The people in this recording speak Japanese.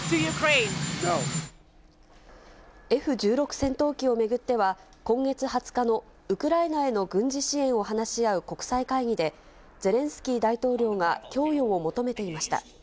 戦闘機を巡っては、今月２０日のウクライナへの軍事支援を話し合う国際会議で、ゼレンスキー大統領が供与を求めていました。